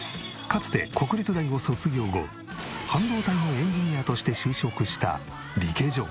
かつて国立大を卒業後半導体のエンジニアとして就職したリケジョ。